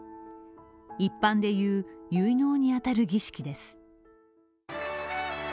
一般でいう結納に当たる儀式です。